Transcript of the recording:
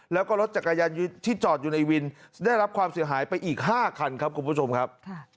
แล้วก็รถจักรยานยนต์ที่จอดอยู่ในวินได้รับความเสียหายไปอีก๕คันครับคุณผู้ชมครับ